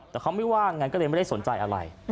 แต่เขาไม่ว่างั้นก็เลยไม่ได้สนใจอะไร